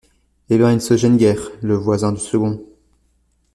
Eh ben, il ne se gêne guère, le voisin du second !